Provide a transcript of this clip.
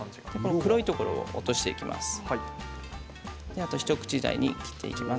黒いところを落としていきます。